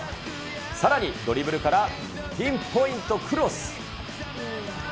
さらにドリブルからピンポイントクロス。